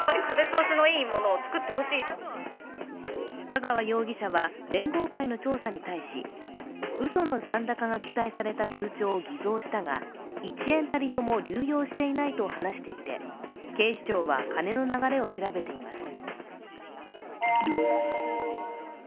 香川容疑者は連合会の調査に対しうその残高が記載された通帳を偽造したが一円たりとも流用していないと話していて警視庁は金の流れを調べています。